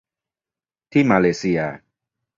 ที่มาเลเซีย